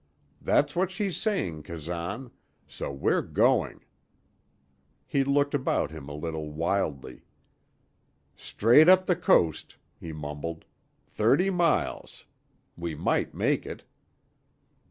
That's what she's saying, Kazan, so we're going!" He looked about him a little wildly. "Straight up the coast," he mumbled. "Thirty miles. We might make it."